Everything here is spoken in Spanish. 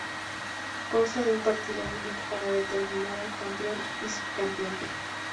Consta de un partido único para determinar al campeón y subcampeón.